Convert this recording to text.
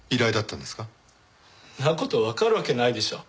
んな事わかるわけないでしょ。